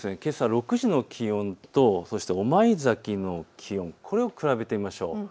６時の気温と御前崎の気温、これを比べてみましょう。